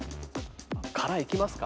殻いきますか。